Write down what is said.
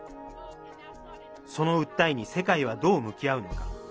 その訴えに世界はどう向き合うのか。